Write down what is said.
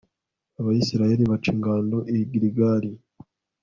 abayisraheli baca ingando i giligali